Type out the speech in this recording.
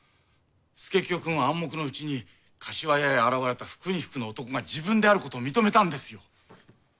佐清くんは暗黙のうちに柏屋へ現れた復員服の男が自分であることを認めたんですよ。